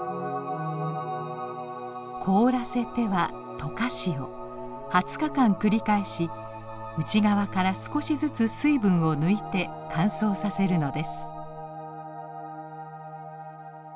凍らせては溶かしを２０日間繰り返し内側から少しずつ水分を抜いて乾燥させるのです。